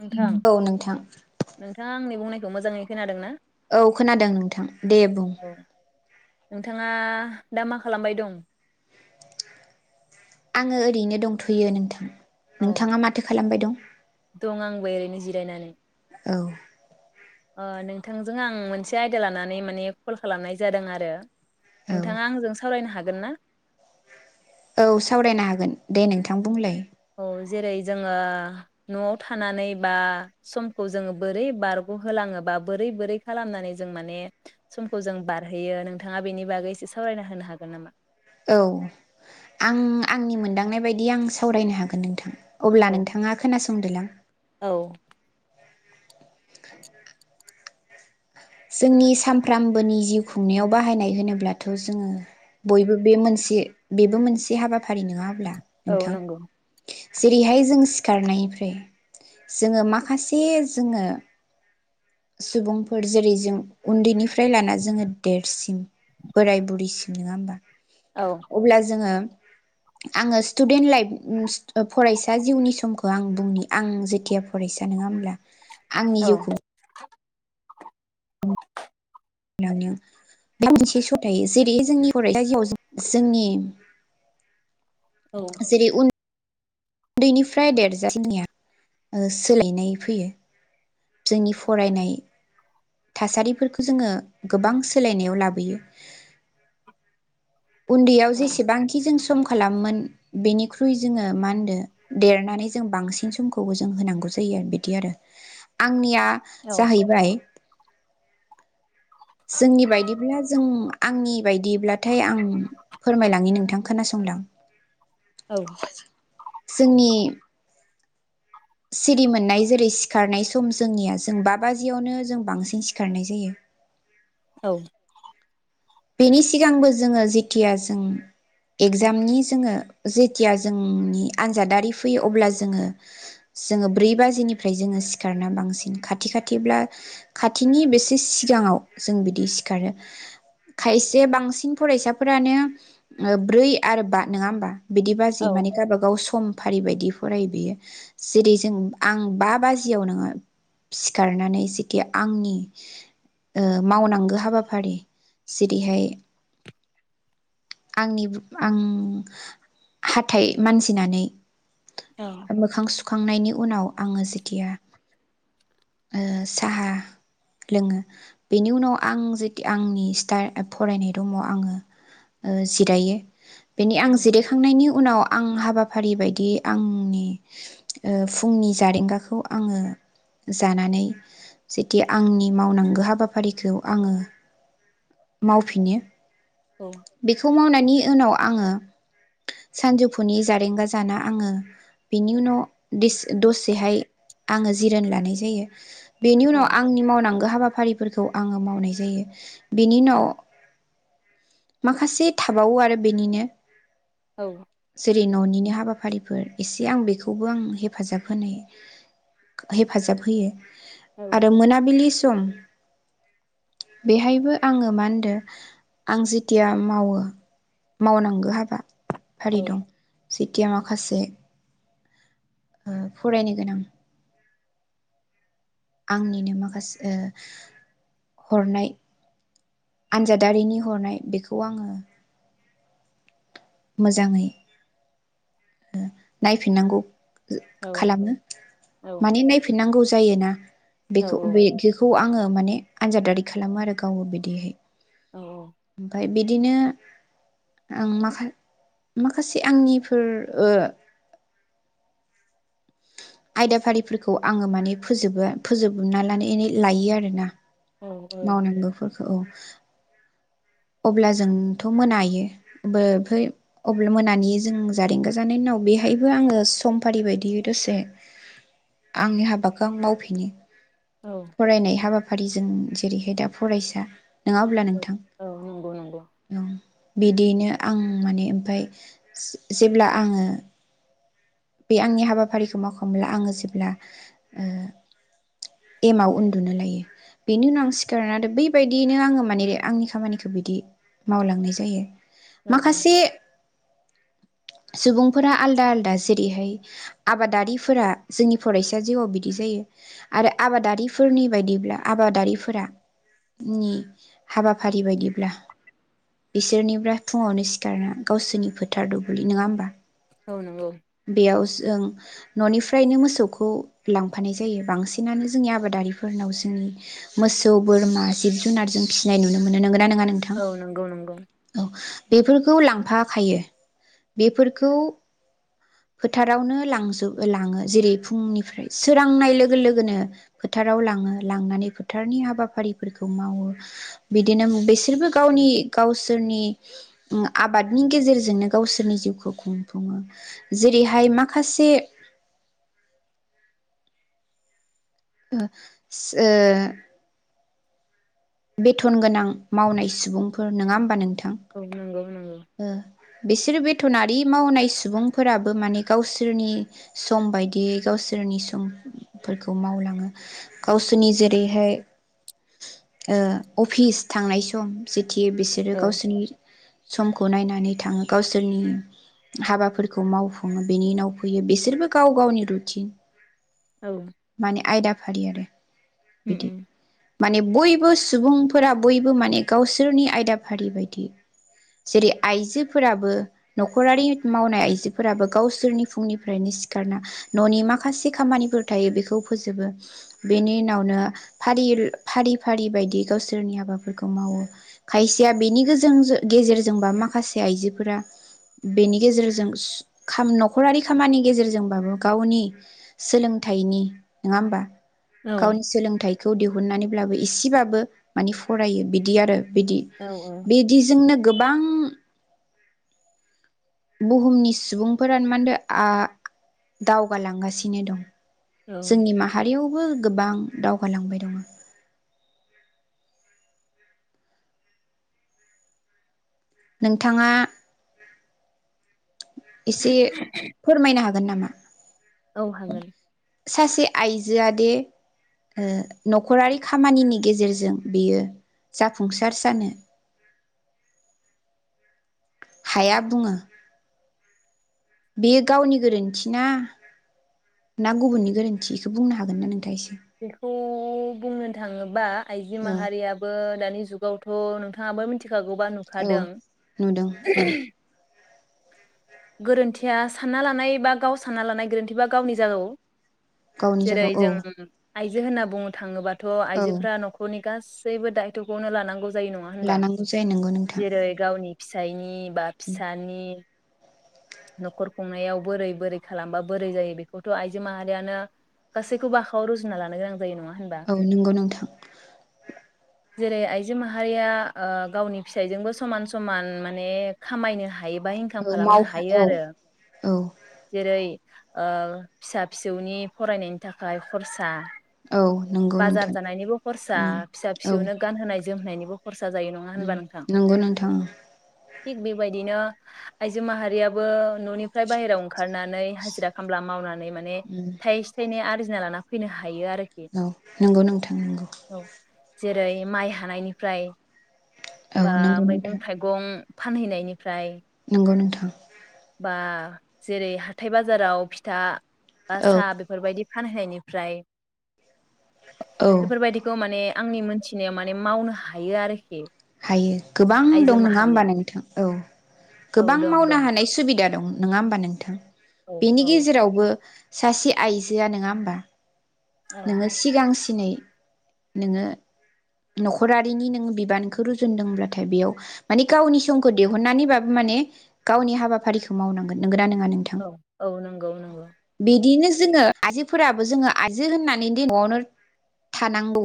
नोंथां औ नोंथां थ मोजाङै खोनादों ना? औ खोनादों नोंथां दे बुं नोंथाङा दा मा खालामबाय दं ङो ओरैनो दंथयो नोंथां नोंथाङा माथो खालामबाय दं? वाय ओरैनो जिरायनानै औ ओ नोंथांजों आं मोनसे आयदा लानानै माने कल खालामनाय जादों आरो औ नोंथाङा आंजों सावरायनो हागोन। गना औ सावरायनो हागोन दे नोंथां बुंलाय औ जेरै जोङो न'आव थानानै बा समखौ जोङो बोरै बारग होलाङोब बा बोरै बोरै खालामनानै जों माने समखौ जों बारहोयो नोंथाङा बेनि बागै एसे सावरायना होनो हागोन नामा? औ आं आंनि मोनदांनाय बायदि आं सावरायनो हागोन नोंथां। अब्ला औ नोंथाङा खोनासं [unintelligible] औ। जोंनि सामफ्रोमबोनि जिउ खुंनायाव बाहायनाय होनोब्लाथ' जोङो बयबो बे मोनसे बेबो मोनसे हाबाफारि नङा होमब्ला औ नंगौ। जेरैहाय जों सिखारनायनिफ्राय जोंङो माखासे जोंङो सुबुंफोर जेरै जों उन्दैनिफ्राय लाना जोङो देरसिन बोराय बुरिसिम नङा होमबा? औ अब्ला जोङो आंङो स्टुडेन्ट लाइफ फरायसा जिउनि समखौ आं बुंनि आं जेथिया फरायसा नङा होमब्ला आंनि औ जिउखौ [unintelligible] बेयाव मोनसे सथायो जेरै जोंनि [unintelligible] जोंनि जेरै उन उन्दैनिफ्राय देरजासिमनिया सोलायनाय फैयो। जोंनि फरायनाय थासारिफोरखौ जोङो गोबां सोलायनायाव लाबोयो। उन्दैयाव जेसेबांखि जों सम खालामोन बेनिख्रुइ जोङो मा होनदों देरनानै जों बांसिन समखौबो जों होनांगौ जायो आरो बिदि आरो आं आंनिया औ जाहैबाय जोंनि बायदिब्ला जों आंनि बायदिब्लाथाय आं फोरमायलांनि नोंथां खोनासंलां। औ जोंनि सिरि मोननाय जेरै सिखारनाय सम जोंनिया जों बा बाजियावनो जों बांसिन सिखारनाय जायो। औ बेनि सिगांबो जोङो जेथिया जों एगजामनि जोङो जेथिया जोंनि आनजादारि फैयो अब्ला जोङो जोङो ब्रै बाजिनिफ्राय जोङो सिखारना बांसिन खाथि खाथिब्ला खाथिनि बेसे सिगाङाव जों बिदि सिखारो। खायसे बांसिन फरायसाफोरानो ओ ब्रै आरो बा नङा हबा? बिदि औ बाजै माने गावबाागाव सम फारि बायदि फरायो बियो जेरै जों आं बा बाजियाव नोंङो सिखारनानै जेखि आंनि ओ मावनांगौ हाबाफारि जेरैहाय आंनि आं हाथाइ मानजनानै औ मोखां सुखांनायनि उनाव आङो जेथिया ओ साहा लोङो बेनि उनाव आं जेथि आंनि फरायनाय रुमाव आंङो ओ जिरायो बेनि आं औ जिरायखांनायनि उनाव आं हाबाफारि बायदियै आंनि ओ फुंनि जारेंगाखौ आंङो जानानै जेथि आंनि मावनांगौ हाबाफारिखौ आंङो मावफिनो औ बेखौ मावनानै उनाव आङो सानजौफुनि जारेंगा जाना आङो बिनि उनाव दिस दसेहाय आङो जिरनो लानाय जायो। बेनि औ उनाव आंनि मावनांगौ हाबाफारि फोरखौ आङो मावनाय जायो। बेनि उनाव माखासे थाबावो आरो बेनिनो नंगौ औ जेरै न'निनो हाबाफो हाबाफारिफोर एसे आं बेखौबो आं हेफाजाब होनाय हेफाजाब होयो आरो मोनाबिलि स दम बेहायबो आङो मा होनदों आं जेथिया मावो मावनांगौ हाबा फारि दं सेथिया माखासे फरायनो गोनां आंनिनो माखास हरनाय आनजादारिनि हरनाय बेखौ आङो मोजाङै ओ नायफिननांगौ। औ खालामो औ माने नायफिननांगौ जायोना औ बेखौ बे बेखौ आङो माने आनजादारि खालामो आरो गावबो बिदिहाय ओमफाय बिदिनो आं माखा-माखासे आंनिफोर ओ आयदाफारिफोरखौ आङो माने फोजोबो फोजोबना ल लायो आरोना मावनांगौफोर औ अब्ला जोंथ मोनायोमफ्राय अब्ला मोनानि जों जारेंगा जानायनि उनाव बेहायबो आङो सम फारि बायदियै दसे आंनि हाबाखौ आं मावफिनो औ फरायनाय हाबा हाबाफारिजों जेरैहाय दा फरायसा। नङा अब्ला नोंथां। औ नंगौ नंगौ औ बिदियैनो आं माने ओमफाय जे जेब्ला आङो। बे आंनि हाबाफारिखौ मावखांब्ला आङो जेब्ला ओ एमाव उन्दुनो लायो बेनि उनाव आं सिखारनानै आरो बैबायदियैनो आङो माने आंनि खामानिखौ बिदि मावलांनाय जायो। औ माखासे सुबुंफोरा आलदा आलदा जेरैहाय आबादारिफोरा जोंनि फरायसा जिउआव बिदि जायो आरो आबादारिफोरनि बायदिब्ला आबादारिफोरा नि हाबाफारि बायदिब्ला बिसोरनिफ्राय फुङावनो सिखारना गावसोरनि फोथार दुब्लि नङा होमबा। औ नंगौ। बेयाव जों ननिफ्रायनो मोसौखौ लांफानाय जायो बांसिनानो जोंनि आबादारिफोरनाव जोंनि मोसौ बोरमा जिब जुनार जों फिसिनाय नुनो मोनो नंगौ न ना नोंथां नंगौ नंगौ औ। बेफोरखौ लांफाखायो बेफोरखौ? फोथारावनो लांजोब लाङो जेरै फुंनिफ्राय सोरांनाय लोगो लोगोनो फोथाराव लाङो लांनानै फोथारनि हाबाफारिफोरखौ मावो बिदिनो बिसोरबो गावनि गावसोरनि ओ आबादनि गेजेरजोंनो गावसोरनि जिउखौ खुंफुङो। जेरैहाय माखासे आ [inaudible] बेथन गोनां मावनाय सुबुं फोर नङा होमबा नोंथा औ नंगौ नं ओ बिसोरो बे थनारि मावनाय सुबुंफोराबो माने गावसोरनि सम बायदियै गावसोरनि समफोरखौ मावलांङो गावसोरनि जेरै हाय ओ अफिस थांनाय सम सि मिथियो बिसोरो औ गावसिनि समखौ नायनानै थांङो गावसोरनि हाबाफोरखौ मावफुंङो बेनि उनाव फैयो बिसोरबो गाव गावनि रुटिन उम माने आयदा फारि आरो बिदि उम माने बयबोस सुबुंफोरा बयबो माने गावसोरनि आयदाफारि बायदि जेरै आइजोफोराबो नखरारि मावनाय आइजोफोराबो गावसोरनि फुंनिफ्रायनो सिखारना ननि माखासे खामानिफोर थायो बेखौ फोजोबो बेनि उनावनो फारिर फारि फारि बायदियै गावसोरनि हाबाफोरखौ मावो खायसेया बेनि गोजों गेजेरजों जोंबा माखासे आइजोफोरा बेनि गेजेरजों सु नखरारि खामानि गेजेरजोंबाबो गावनि सोलोंथाइनि नोंङा होमबा? औ गावनि सोलोंथाइखौ दिहुननानै ब्लाबो इसेबाबो मानि फरायो बिदि आरो बिदि औ बिदिजोंनो गोबां बुहुमनि सुबुंफोरानो मानदो आ दावगालांगासिनो दं। औ जोंनि माहारियावबो गोबां दावगालांबाय दं। नोंथांङा एसे फोरमायनो हागोन नामा? औ हागोन सासे आइजोआ दे ओ नखरारि खामानिनि गेजेरजों बियो जाफुंसार जानो हाया बुंङो। बेयो गावनि गोरोन्थि ना ना गुबुननि गोरोन्थि बेखौ बुंनो हागोन ना नोंथांङा एसे बेखौ उं बुंनो थांङोबा आइजो औ माहारियाबो दानि जुगावथ नोंथाङाबो [unintelligible] खागौबा औ नुखादों। नुदों औ [unintelligible] गोरोन्थिया सानना लानाय बा गाव सानना लानाय गोरोन्थिबा गावनि जागौ। गावनि जेरै जों जायगायाव आइजो होनना बुंनो थाङोबा थ औ औ आइजोफ्रा नखरनि गासैबो दायथखौनो लानांगौ जायो नंङा होनबा लानांगौ जायो नंगौ नोंथां जेरै गावनि फिसाइनि बा फिसानि नखर खुंनायाव बोरै बोरै खालामबा बोरै जायो बेखौथ आइजो माहारियानो गासैखौ आखाव रुज जुनना लानो गोनां जायो नंङा औ नंगौ नोंथां जेरै आइजो माहारिया ओ गावनि फिसायजोंबो समान समान माने खामायनो हा हायोबा इनकाम औ माव खालामनो हायो औ आरो औ जेरै ओ फिसा फिसौनि फरायनायनि थाखाय खरसा [unintelligible] औ नंगौ बाजार नोंथां जानायनिबो खरसा उम फिसा औ फिसौनो गान होनाय। जोमनायनिब उम नंगौ नोंथां। थिग बेबायदिनो आइजो माहारियाबो न'निफ्राय बाहेरायाव ओंखारनानै हाजिरा खामला मावना नाय माने थायसे थायनै आरजि [unintelligible] फैनो हा औ नंगौ नोंथां नंगौ औ जेरै माइ हानायनिफ्राय औ बा नंगौ नोंथां मैगं थाइगं‌ फानहैनायनिफ्राय नंगौ नोंथां बा जेरै हाथाय बाजाराव फिथा बा औ साहा बेफोरबायदि फानहैनिफ्राय औ बेफोरबायदिखौ माने आंनि मोनथिनायाव माने मावनो हायो आरोखि। हायो गोबां आइजो दं नङा माहारिया ओमबा नोंथां औ औ गोबां दं मावनो दं हानाय सुबिदा दं। नङा ओमबा नोंथां? औ औ बेनि गेजेरावबो सासे आइजोआ नङा ओमबा? नोङो सिगांसिनै नोङो नखरारिनि नोङो बिबानखौ रुजुनदोंब्लाथाय बेयाव माने गावनि समखौ दिहुननानैबाबो माने गावनि हाबाफारिखौ मावनांगोन नोंगोना? औ औ नंगौ नंगौ बिदिनो जोङो आयजोफोराबो जोङो आय जो होननानै दि न'आवनो थानांगौ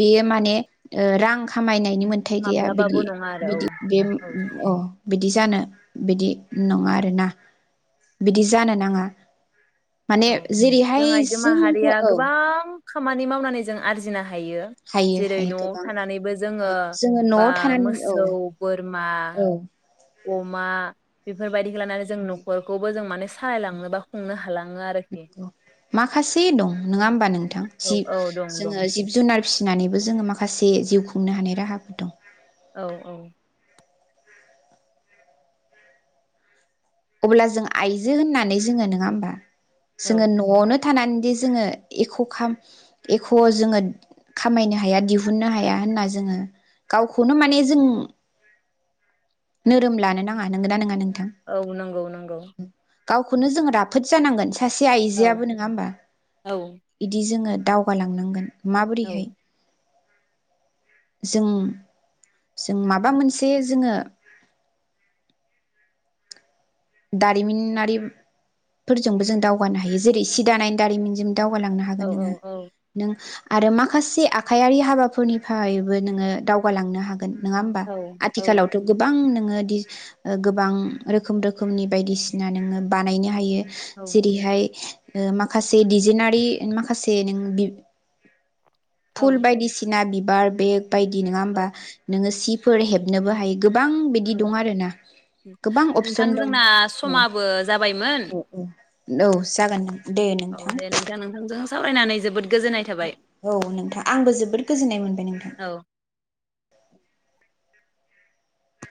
बेयो माने ओ रां खामायनाय। बिनि मोनथाय गैया माब्लाबाबो बिदि नङा आरो बिदि बे औ औ अ बिदि जानो बिदि नङा आरोना बिदि जानो नाङा। माने औ जों जेरैहाय आइजो जोंखो माहारिया गोबां खामानि मावनानै जों आरजिनो हायो। हायो जेरै हायो नआव गोबां थानानैबो जोङो जोङो बा न'आव थानानै औ मोसौ बोरमा औ अमा बेफोर बायदिखौ लानानै जों नखौबो जों माने सायलांनो बा खुंनो हालां [unintelligible] माखासे दं नङा होमबा नों थां औ जि औ दं जोङो दं जिब जुनार फिसिनानैबो जोङो माखासे जिउ खुंनो हानाय राहाफोर दं औ औ। अब्ला जों आइजो होननानै जोङो नङा होनबा? औ जोङो नआवनो थानानैदि जोङो एख खाम एख जोङो खामायनो हाया दिहुननो हाया होनना जोङो गावखौनो माने जों नोरोम लानो नाङा नोंगौ ना नोंङा नों औ नोंगौ नोंगौ। गावखौनो जोङो राफोद जानांगोन। सासे औ आइजोआबो नोङा होमबा औ बिदि जोङो दावगालांनांगोन। औ माबोरैहाय जों जों माबा मोनसे जोङो दारिमिनारिफोरजोंबो जों दावगानो हायो जेरै सि दानाय दारिमिनजों दावगालांनो औ हागोन नोङो नों आरो माखासे आखाइारि हाबाफोरनिफ्रायैबो नोङो दावगालांनो हागोन गोन नोङा होनबा औ आथिखालावथ औ गोबां [unintelligible] गोबां रोखोम रो रोखोमनि बायदिसिना नोङो बानायनो हायो। जेरैहाय माखासे दिजेनारि माखासे नों औ फुल बायदिसिना बि बार बेग बायदि नङा औ होनबा नोङो सि फोर हेबनोबो हायो गोबां बिदि दं आरो ना गोबां अपसन थां दं जोंना समाबो जाबायमोन। लौ जागोन दे। औ दे नोंथां नोंथांजों। सावरायनानै जोबोद गोजोननाय थाबाय औ नोंथां आंबो जोबोद गोजोननाय मोनबाय नोंथां। औ